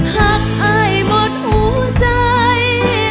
หากอ้ายหมดหูจ้าง